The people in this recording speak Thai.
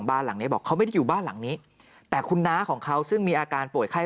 บ้านหลังนี้บอกเขาไม่ได้อยู่บ้านหลังนี้แต่คุณน้าของเขาซึ่งมีอาการป่วยไข้